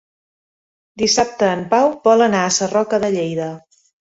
Dissabte en Pau vol anar a Sarroca de Lleida.